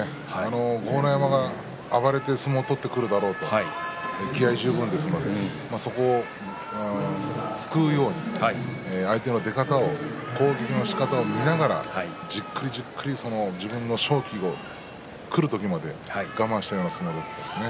豪ノ山が暴れて相撲を取ってくるだろうと気合い十分ですのでそこを、すくうように相手の出方を攻撃のしかたを見ながらじっくりじっくり自分の勝機をくる時まで我慢していますね。